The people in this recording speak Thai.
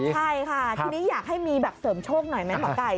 ใช่ค่ะทีนี้อยากให้มีแบบเสริมโชคหน่อยไหมหมอไก่